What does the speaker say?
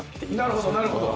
なるほどなるほど。